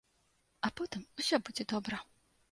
А потым усё будзе добра.